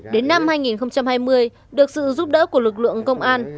đến năm hai nghìn hai mươi được sự giúp đỡ của lực lượng công an